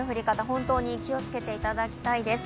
本当に気をつけていただきたいです。